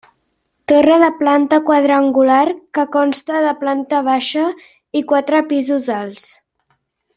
Torre de planta quadrangular que consta de planta baixa i quatre pisos alts.